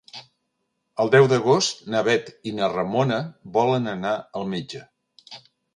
El deu d'agost na Bet i na Ramona volen anar al metge.